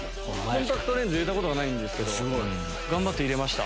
コンタクトレンズ入れたことないですけど頑張って入れました。